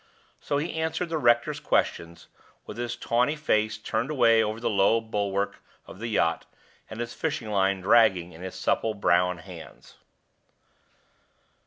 So he answered the rector's questions, with his tawny face turned away over the low bulwark of the yacht, and his fishing line dragging in his supple brown hands.